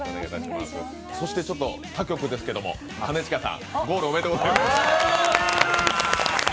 そして他局ですけれども、兼近さんゴールおめでとうございます。